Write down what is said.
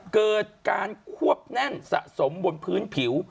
เกิดการควบแน่นสะสมบนพื้นผิว